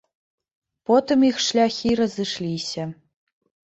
Потым іх шляхі разышліся.